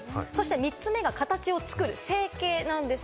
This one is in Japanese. ３つ目は形を作る成形です。